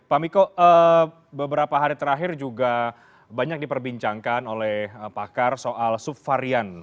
pak miko beberapa hari terakhir juga banyak diperbincangkan oleh pakar soal subvarian